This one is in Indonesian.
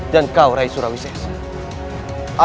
dan kau rai surawisasa